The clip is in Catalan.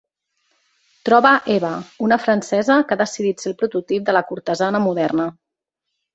Troba Eva, una francesa que ha decidit ser el prototip de la cortesana moderna.